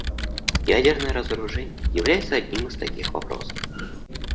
Ядерное разоружение является одним из таких вопросов.